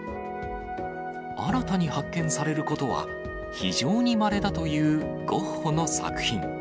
新たに発見されることは、非常にまれだというゴッホの作品。